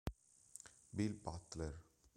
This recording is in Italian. Bill Butler